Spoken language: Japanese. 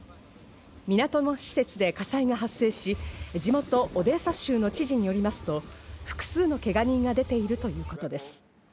港の施設で火災が発生し、地元オデーサ州の知事によりますと複数のけが人が出ているということです。